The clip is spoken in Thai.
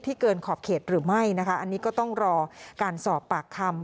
เกินขอบเขตหรือไม่นะคะอันนี้ก็ต้องรอการสอบปากคำ